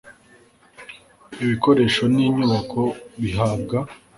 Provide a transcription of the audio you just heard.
ibikoresho n inyubako bihabwa